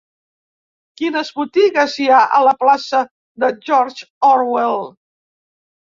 Quines botigues hi ha a la plaça de George Orwell?